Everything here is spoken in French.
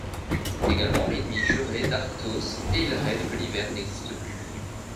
C’est également l’ennemi juré d’Arktos et il rêve que l’hiver n’existe plus.